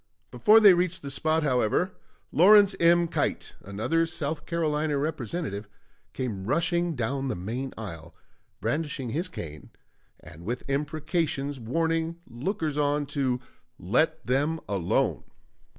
Before they reached the spot, however, Lawrence M. Keitt, another South Carolina Representative, came rushing down the main aisle, brandishing his cane, and with imprecations warning lookers on to "let them alone."